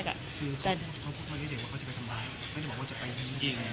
คือเขาพูดไม่ได้เสียว่าเขาจะไปทำร้าย